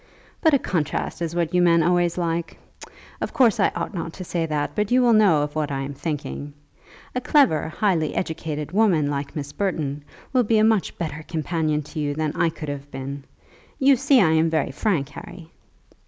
"But a contrast is what you men always like. Of course I ought not to say that, but you will know of what I am thinking. A clever, highly educated woman like Miss Burton will be a much better companion to you than I could have been. You see I am very frank, Harry."